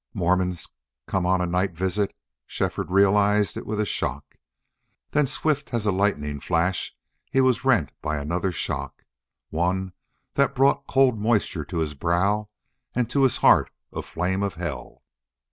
Mormons come on a night visit! Shefford realized it with a slight shock. Then swift as a lightning flash he was rent by another shock one that brought cold moisture to his brow and to his heart a flame of hell.